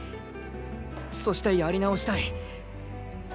そしてやり直したい。